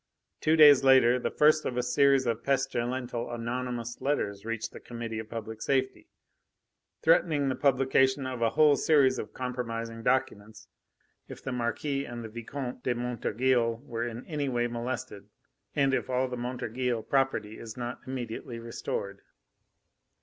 Two days later, the first of a series of pestilential anonymous letters reached the Committee of Public Safety, threatening the publication of a whole series of compromising documents if the Marquis and the Vicomte de Montorgueil were in any way molested, and if all the Montorgueil property is not immediately restored."